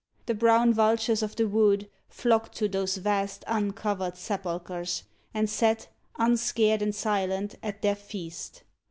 The brown vultures of the wood Flocked to those vast uncovered sepulchres, And sat, unscared and silent, at their feast.